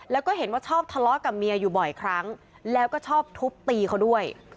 แล้วก็เห็นว่าชอบทะเลาะกับเมียอยู่บ่อยครั้งแล้วก็ชอบทุบตีเขาด้วย